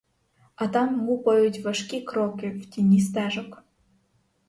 А там гупають важкі кроки в тіні стежок.